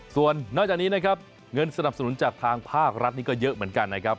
ส่วนนอกจากนี้นะครับเงินสนับสนุนจากทางภาครัฐนี่ก็เยอะเหมือนกันนะครับ